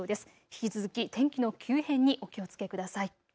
引き続き天気の急変にお気をつけください。